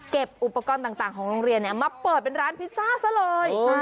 อุปกรณ์ต่างของโรงเรียนมาเปิดเป็นร้านพิซซ่าซะเลย